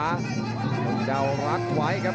ผู้เจ้ารักไว้ครับ